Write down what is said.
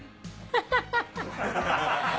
ハハハハ。